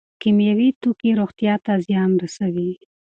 کیمیاوي توکي روغتیا ته زیان رسوي.